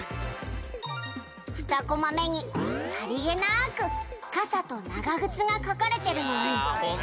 「２コマ目にさりげなく傘と長靴が描かれてるのに」